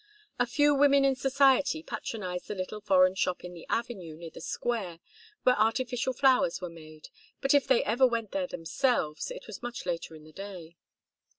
A few women in society patronized the little foreign shop in the Avenue, near the Square, where artificial flowers were made, but if they ever went there themselves, it was much later in the day.